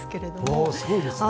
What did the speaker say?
おおすごいですね。